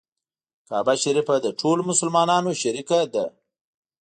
کعبه شریفه د ټولو مسلمانانو شریکه ده.